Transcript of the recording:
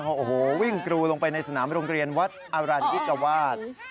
โอ้โหวิ่งกรูลงไปในสนามโรงเรียนวัดอรัญญิกวาส